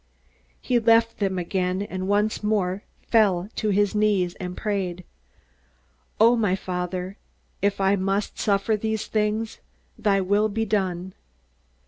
He left them again, and once more he fell on his knees and prayed, "O my Father, if I must suffer these things, thy will be done."